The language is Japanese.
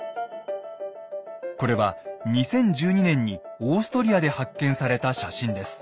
これは２０１２年にオーストリアで発見された写真です。